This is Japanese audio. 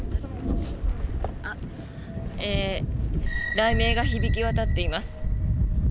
雷鳴が響き渡っています。